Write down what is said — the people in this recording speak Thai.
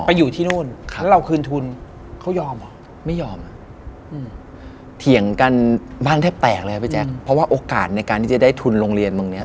เพราะว่าโอกาสในการที่จะได้ทุนโรงเรียนเหมือนนี้